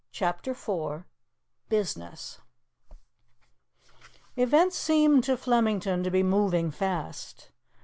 CHAPTER IV BUSINESS EVENTS seemed to Flemington to be moving fast.